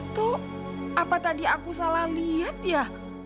tuh apa tadi aku salah lihat ya